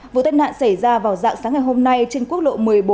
vụ tai nạn xảy ra vào dạng sáng ngày hôm nay trên quốc lộ một mươi bốn